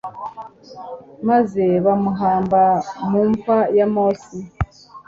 maze bamuhamba mu mva ya yowasi